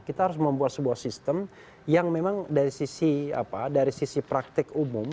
kita harus membuat sebuah sistem yang memang dari sisi praktik umum